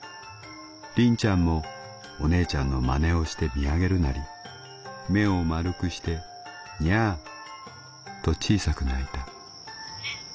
りんちゃんもお姉ちゃんの真似をして見上げるなり目を丸くしてニャアと小さく鳴いた」。